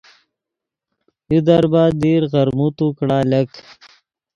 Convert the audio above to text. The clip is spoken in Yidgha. یو دربت دیر غرموتو کڑا لک